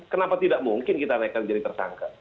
kenapa tidak mungkin kita naikkan jadi tersangka